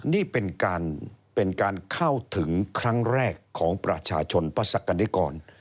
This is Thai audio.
นี่เป็นการเข้าถึงครั้งแรกของประชาชนประสักกรณิกร